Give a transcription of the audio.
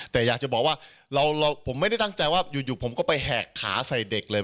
แต่อยากจะบอกว่าผมไม่ได้ตั้งใจว่าอยู่ผมก็ไปแหกขาใส่เด็กเลย